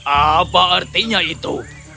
apa artinya itu